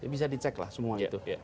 bisa dicek lah semua itu